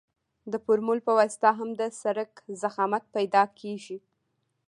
د فورمول په واسطه هم د سرک ضخامت پیدا کیږي